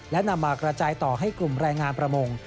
และนำมากระจายต่อให้กลุ่มแรงงานประมง